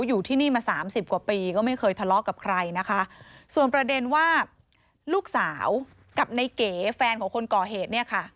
อยู่ที่นี่มาสามสิบกว่าปีก็ไม่เคยทะเลาะกับใครนะคะส่วนประเด็นว่าลูกสาวกับในเก๋แฟนของคนก่อเหตุเนี่ยค่ะ